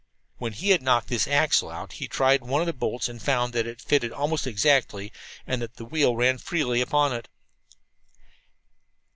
When he had knocked this axle out he tried one of the bolts and found that it fitted almost exactly, and that the wheel ran freely upon it.